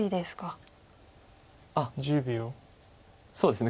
あっそうですね。